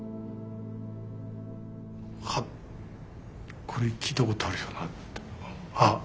はっこれ聴いたことあるよなって。